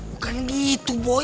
bukan gitu boy